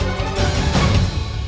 aku tidak akan lakukan kita